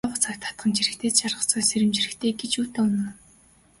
Зовох цагт хатамж хэрэгтэй, жаргах цагт сэрэмж хэрэгтэй гэж юутай үнэн.